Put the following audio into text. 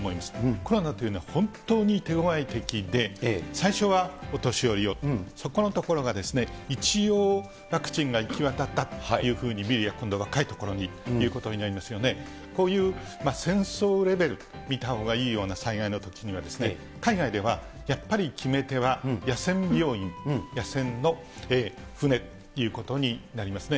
コロナというのは、本当に手ごわい敵で、最初はお年寄りを、そこのところが、一応、ワクチンが行き渡ったというふうに見るや、今度は若いところにということになりますので、こういう戦争レベルと見たほうがいいような災害のときには、海外ではやっぱり決め手は野戦病院、野戦の船ということになりますね。